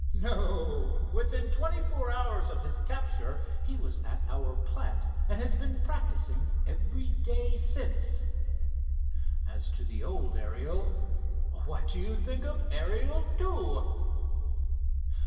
"No. Within twenty four hours of his capture he was at our plant and has been practicing every day since. As to the old Ariel—what do you think of Ariel II?"